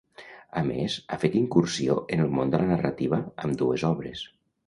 A més ha fet incursió en el món de la narrativa amb dues obres.